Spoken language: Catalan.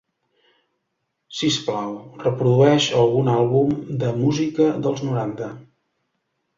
Sisplau, reprodueix algun àlbum de música dels noranta.